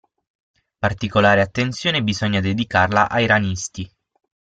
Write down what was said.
Particolare attenzione bisogna dedicarla ai ranisti.